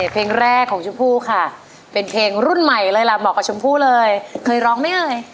เพลงแรกของชุมภูค่ะเป็นเพลงรุ่นใหม่เลยล่ะบอกกับชุมภูเลยแค่ร้องไหมเลย